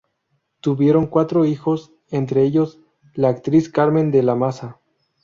Tuvieron cuatro hijos, entre ellos la actriz Carmen de la Maza.